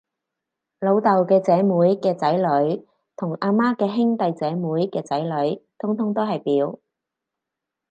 老豆嘅姐妹嘅仔女，同阿媽嘅兄弟姐妹嘅仔女，通通都係表